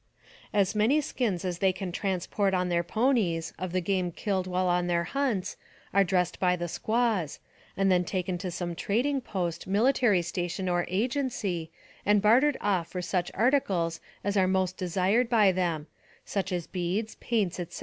As many skins as they can transport on their ponies, of the game killed while on their hunts, are dressed by the squaws, and then taken to some trading post, mili tary station, or agency, and bartered off for such articles as are most desired by them, such as beads, paints, etc.